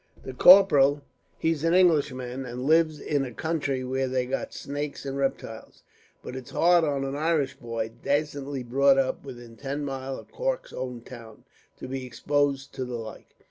The corporal, he's an Englishman, and lives in a country where they've got snakes and reptiles; but it's hard on an Irish boy, dacently brought up within ten miles of Cork's own town, to be exposed to the like.